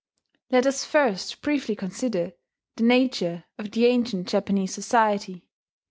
Let us first briefly consider the nature of the ancient Japanese society.